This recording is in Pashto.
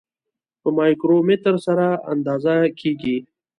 په مایکرومتر سره اندازه کیږي.